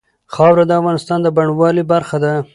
خاوره د افغانستان د بڼوالۍ برخه ده.